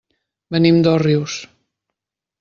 Venim d'Òrrius.